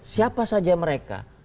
siapa saja mereka